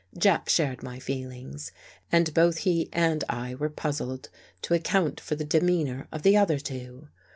Jack shared my feelings, and both he and I were puzzled to account for the de meanor of the other two.